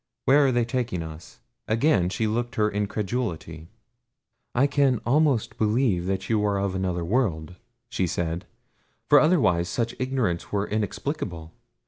"Where are they taking us?" Again she looked her incredulity. "I can almost believe that you are of another world," she said, "for otherwise such ignorance were inexplicable.